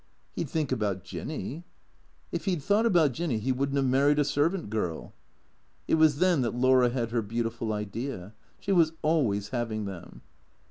" He 'd think about Jinny," " If he 'd thought about Jinny he would n't have married a servant girl." It was then that Laura had her beautiful idea. She was always having them.